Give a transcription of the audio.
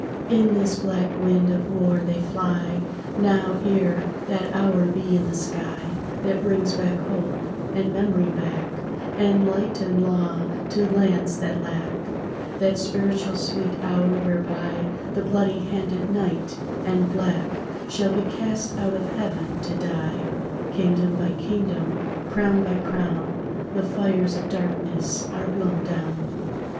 In this black wind of war they fly Now, ere that hour be in the sky That brings back hope, and memory back, And light and law to lands that lack; That spiritual sweet hour whereby The bloody handed night and black Shall be cast out of heaven to die; Kingdom by kingdom, crown by crown, The fires of darkness are blown down.